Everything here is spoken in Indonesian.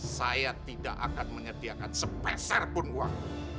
saya tidak akan menyediakan sepeserpun uang